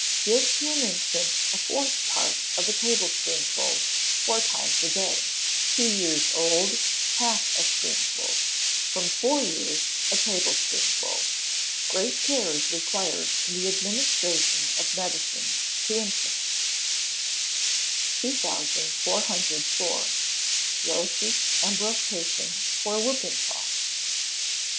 Give to an infant a fourth part of a tablespoonful four times a day; two years old, half a spoonful; from four years, a tablespoonful. Great care is required in the administration of medicines to infants. 2404. Roche's Embrocation for Whooping Cough.